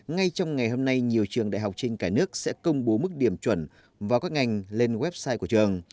ngay trong ngày hôm nay nhiều trường đại học trên cả nước sẽ công bố mức điểm chuẩn vào các ngành lên website của trường